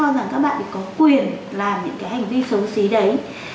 cho rằng các bạn có quyền làm những cái hành vi xấu xí đấy